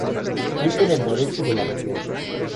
Se ubica en el noreste de la región.